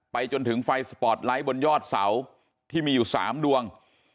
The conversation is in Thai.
จนถึงไฟสปอร์ตไลท์บนยอดเสาที่มีอยู่๓ดวง